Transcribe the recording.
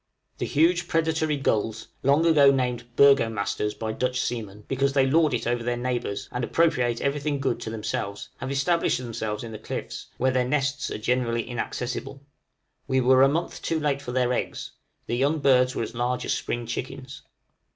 The huge predatory gulls, long ago named "Burgomasters" by Dutch seamen (because they lord it over their neighbors, and appropriate every thing good to themselves), have established themselves in the cliffs, where their nests are generally inaccessible: we were a month too late for their eggs; the young birds were as large as spring chickens.